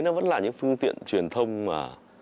nó vẫn là những phương tiện truyền thông mà